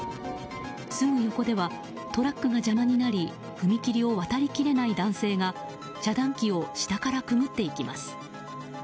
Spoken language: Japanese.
すぐ横ではトラックが邪魔になり踏切を渡り切れない男性が遮断機を下からくぐっていきます。